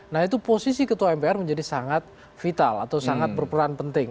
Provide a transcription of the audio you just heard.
nah itu posisi ketua mpr menjadi sangat vital atau sangat berperan penting